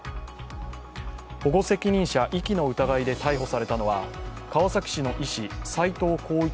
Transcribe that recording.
保護責任者遺棄の疑いで逮捕されたのは川崎市の医師、斎藤浩一